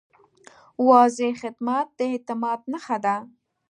واضح خدمت د اعتماد نښه ده.